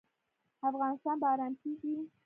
افغانستان به ارام کیږي